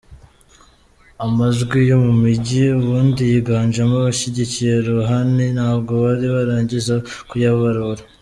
Amajwi yo mu mijyi - ubundi yinganjemo abashyigikiye Rouhani - ntabwo bari barangiza kuyabarura.